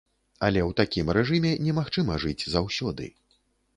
Але ў такім рэжыме немагчыма жыць заўсёды.